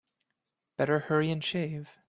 Better hurry and shave.